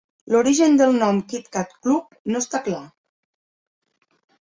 L'origen del nom "Kit-Cat Club" no està clar.